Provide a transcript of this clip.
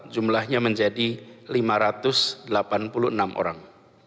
jumlahnya menjadi lima ratus delapan puluh enam orang